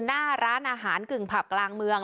หน้าร้านอาหารกึ่งผับกลางเมือง